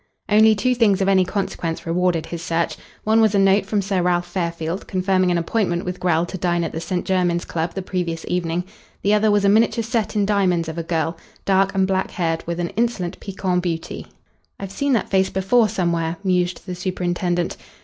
Only two things of any consequence rewarded his search one was a note from Sir Ralph Fairfield confirming an appointment with Grell to dine at the St. Jermyn's Club the previous evening; the other was a miniature set in diamonds of a girl, dark and black haired, with an insolent piquant beauty. "I've seen that face before somewhere," mused the superintendent.